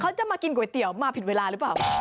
จะมากินก๋วยเตี๋ยวมาผิดเวลาหรือเปล่า